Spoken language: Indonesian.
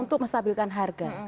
untuk menstabilkan harga